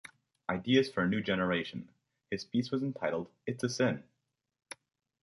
Ideas for a new Generation"; his piece was entitled "It's a Sin".